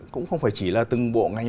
cũng không phải chỉ là từng bộ ngành